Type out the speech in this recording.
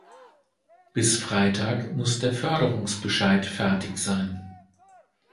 Bis Freitag muss der Förderungsbescheid fertig sein.